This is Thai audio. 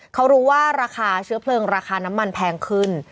เขารู้ว่าราคาเชื้อเพลิงราคาน้ำมันแพงขึ้น